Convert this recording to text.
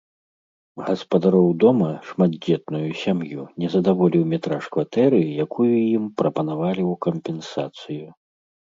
Гаспадароў дома, шматдзетную сям'ю, не задаволіў метраж кватэры, якую ім прапанавалі ў кампенсацыю.